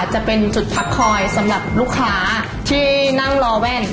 จะเป็นจุดพักคอยสำหรับลูกค้าที่นั่งรอแว่น